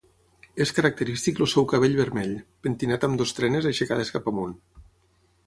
És característic el seu cabell vermell, pentinat amb dues trenes aixecades cap amunt.